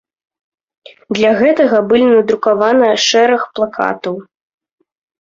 Для гэтага былі надрукавана шэраг плакатаў.